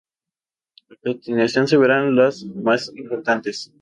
A continuación se verán las más importantes.